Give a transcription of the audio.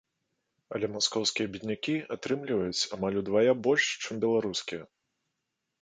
Але маскоўскія беднякі атрымліваюць амаль удвая больш, чым беларускія.